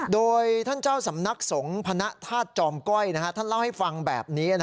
โดยท่านเจ้าสำนักสงฆ์พนธาตุจอมก้อยท่านเล่าให้ฟังแบบนี้